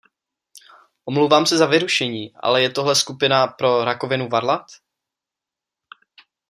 Omlouvám se za vyrušení, ale je tohle skupina pro rakovinu varlat?